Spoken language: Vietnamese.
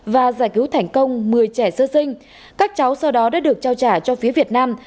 và giải cứu thành công một mươi trẻ sơ sinh các cháu sau đó đã được trao trả cho phía việt nam